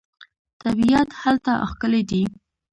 طبیعت هلته ښکلی دی.